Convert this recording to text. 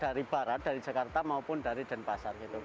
dari barat dari jakarta maupun dari denpasar